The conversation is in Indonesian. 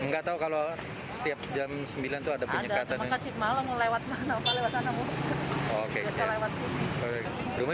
tidak tahu kalau setiap jam sembilan itu ada penyekatan